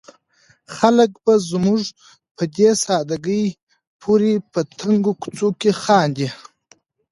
خلک به زموږ په دې ساده ګۍ پورې په تنګو کوڅو کې خاندي.